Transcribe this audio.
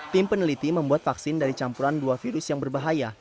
tim peneliti membuat vaksin dari campuran dua virus yang berbahaya